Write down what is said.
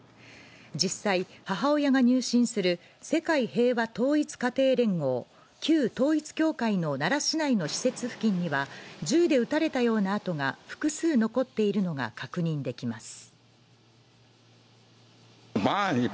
実際、母親が入信する世界平和統一家庭連合、旧統一教会の奈良市内の施設付近には銃で撃たれたような跡が複数残っているのが確認できます。